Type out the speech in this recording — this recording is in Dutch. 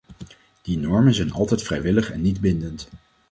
Die normen zijn altijd vrijwillig en niet-bindend.